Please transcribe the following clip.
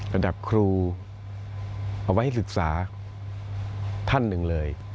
ระดับครูเอาไว้ให้ศึกษาท่านหนึ่งเลย